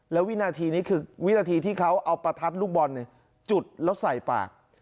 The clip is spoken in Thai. แล้ววินาทีนี้คือวินาทีที่เขาเอาประทัดลูกบอลจุดแล้วใส่ปาก